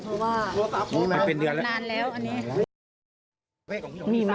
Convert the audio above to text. ข้างข้างหน้าไม่มีแล้วเพราะว่านานแล้วอันนี้